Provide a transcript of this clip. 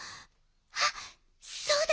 あっそうだわ。